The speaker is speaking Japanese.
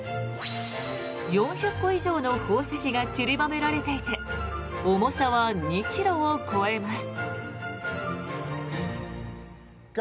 ４００個以上の宝石が散りばめられていて重さは２ｋｇを超えます。